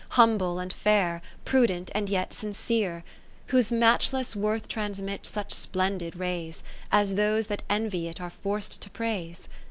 Humble and fair, prudent and yet sincere '^: Whose matchless worth transmits such splendid rays. As those that envy it are forc'd to praise.